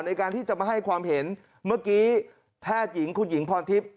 ในการที่จะมาให้ความเห็นเมื่อกี้แพทย์หญิงคุณหญิงพรทิพย์